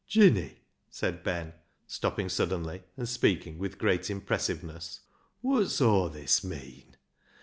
"Jinny," said Ben, stopping suddenly, and speaking with great impressiveness, " wot's aw this meean